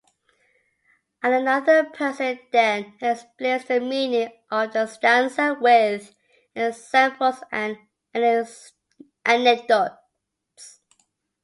Another person then explains the meaning of the stanza with examples and anecdotes.